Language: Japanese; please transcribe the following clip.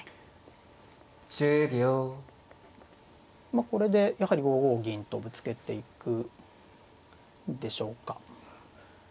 まあこれでやはり５五銀とぶつけていくでしょうか。